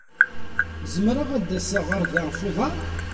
Zemreɣ ad d-aseɣ ɣer da ɣef uḍar?